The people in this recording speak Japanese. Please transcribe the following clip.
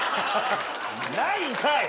ないんかい。